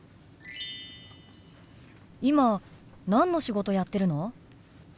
今何の仕事やってるの？